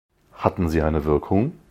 Hatten sie eine Wirkung?